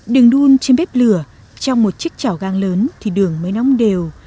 đừng đun trên bếp lửa trong một chiếc chảo găng lớn thì đường mới nóng đều